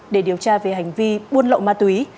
để điều tra về hành vi buôn lậu ma túy